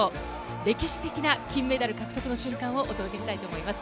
歴史的な金メダル獲得の瞬間をお届けしたいと思います。